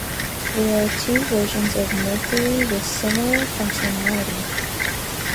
There are two versions of Mercury with similar functionality.